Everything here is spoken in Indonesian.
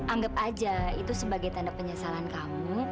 anggap aja itu sebagai tanda penyesalan kamu